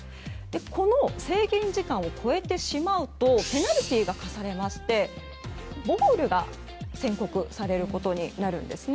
この制限時間を超えてしまうとペナルティーが科されましてボールが宣告されることになるんですね。